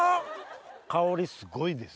香りすごいです。